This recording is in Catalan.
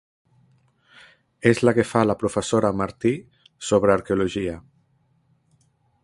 És la que fa la professora Martí, sobre arqueologia.